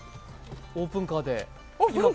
オープンカーで。